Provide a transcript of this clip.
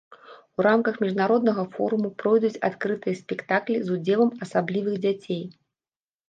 У рамках міжнароднага форуму пройдуць адкрытыя спектаклі з удзелам асаблівых дзяцей.